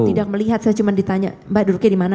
tidak melihat saya cuma ditanya mbak duduknya di mana